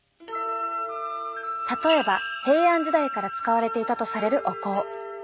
例えば平安時代から使われていたとされるお香。